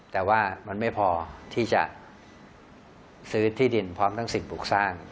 แต่ว่ามันไม่พอที่จะซื้อที่ดินพร้อมทั้งสิ่งปลูกสร้าง